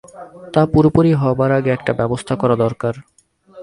তা পুরোপুরি হবার আগেই একটা ব্যবস্থা করা দরকার।